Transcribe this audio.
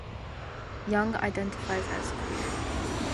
Young identifies as queer.